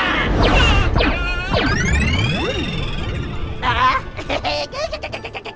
ayo keluarkan kekuatanmu